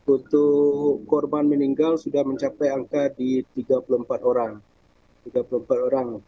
untuk korban meninggal sudah mencapai angka di tiga puluh empat orang